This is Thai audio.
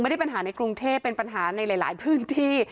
ไม่ได้ปัญหาในกรุงเทพเป็นปัญหาในหลายพื้นที่